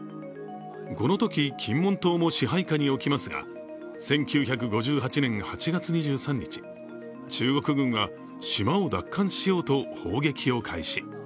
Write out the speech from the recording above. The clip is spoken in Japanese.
このとき金門島も支配下に置きますが１９５８年８月２３日、中国軍は島を奪還しようと砲撃を開始。